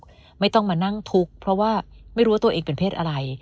ก็ไม่ต้องมานั่งทุกข์เพราะว่าไม่รู้ว่าตัวเองเป็นเพศอะไร